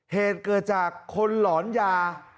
เหตุเกิดจากคนหลอนยา